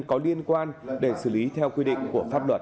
có liên quan để xử lý theo quy định của pháp luật